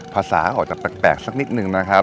ภาษาออกจะแปลกสักนิดนึงนะครับ